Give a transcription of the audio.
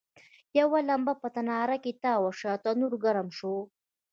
یوه لمبه په تناره کې تاوه شوه، تنور ګرم شو.